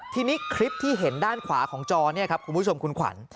ทีนี้คลิปที่เห็นด้านขวาของจอเนี่ยครับคุณผู้ชมคุณขวัญ